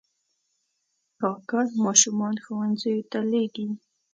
کاکړ ماشومان ښوونځیو ته لېږي.